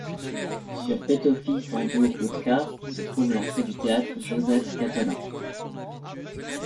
Sur Petőfi Sándor utca se trouve l'entrée du théâtre József Katona.